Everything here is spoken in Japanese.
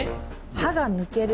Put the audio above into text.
「歯が抜ける」。